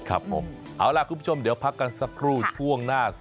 ครับผมเอาล่ะคุณผู้ชมเดี๋ยวพักกันสักครู่ช่วงหน้า